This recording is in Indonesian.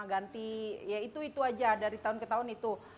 ganti ya itu itu aja dari tahun ke tahun itu